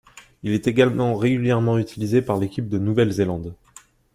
Il est également régulièrement utilisé par l'équipe de Nouvelle-Zélande.